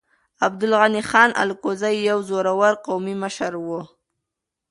عبدالغني خان الکوزی يو زړور قومي مشر و.